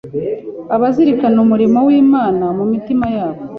Abazirikana umurimo w’Imana mu mitima yabo,